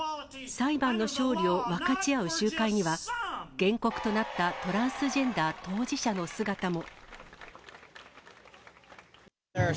裁判の勝利を分かち合う集会には、原告となったトランスジェンダー当事者の姿も。